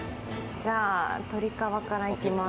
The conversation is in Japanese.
じゃあ鶏皮から行きます。